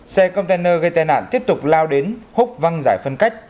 xe container gây tai nạn tiếp tục lao đến húc văng giải phân cách